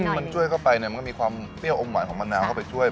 มันช่วยเข้าไปมันก็มีความเปรี้ยวอมหวานของมะนาวเข้าไปช่วย